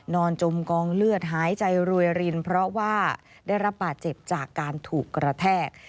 จมกองเลือดหายใจรวยรินเพราะว่าได้รับบาดเจ็บจากการถูกกระแทก